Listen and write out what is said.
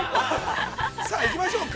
さあ行きましょうか。